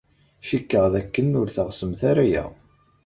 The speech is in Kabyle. Cikkeɣ dakken ur teɣsemt ara aya.